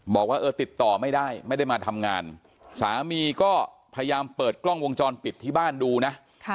บอกว่าเออติดต่อไม่ได้ไม่ได้มาทำงานสามีก็พยายามเปิดกล้องวงจรปิดที่บ้านดูนะ